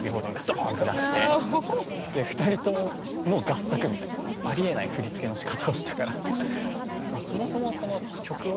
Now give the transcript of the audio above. で２人ともの合作みたいなありえない振り付けのしかたをしたから。